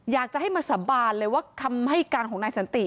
อยากจะให้มาสาบานเลยว่าคำให้การของนายสันติ